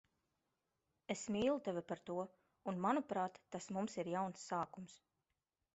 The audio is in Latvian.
Es mīlu tevi par to un, manuprāt, tas mums ir jauns sākums.